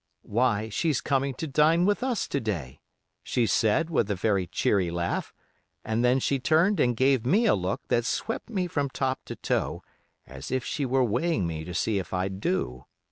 'Why, she's coming to dine with us to day,' she said with a very cheery laugh; and then she turned and gave me a look that swept me from top to toe, as if she were weighing me to see if I'd do.